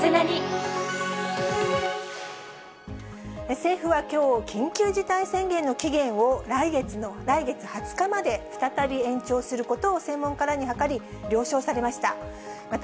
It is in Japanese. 政府はきょう、緊急事態宣言の期限を来月２０日まで再び延長することを専門家らに諮り、了承されました。